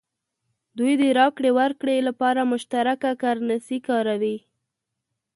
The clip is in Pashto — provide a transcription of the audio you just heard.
دوی د راکړې ورکړې لپاره مشترکه کرنسي کاروي.